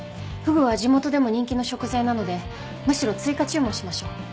フグは地元でも人気の食材なのでむしろ追加注文しましょう。